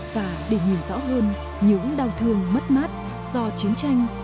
và để nhìn rõ hơn những đau thương mất mát do chiến tranh